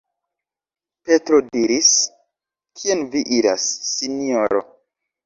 Petro diris: "Kien vi iras, Sinjoro?